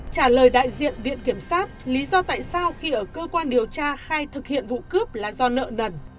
trả lời đại diện viện kiểm sát lý do tại sao khi ở cơ quan điều tra khai thực hiện vụ cướp là do nợ nần